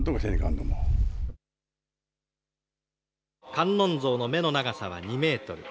観音像の目の長さは２メートル。